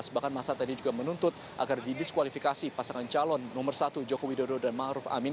bahkan masa tadi juga menuntut agar didiskualifikasi pasangan calon nomor satu joko widodo dan ⁇ maruf ⁇ amin